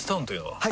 はい！